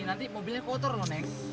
nanti mobilnya kotor loh neng